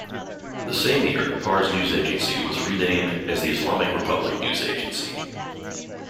The same year Pars News Agency was renamed as the Islamic Republic News Agency.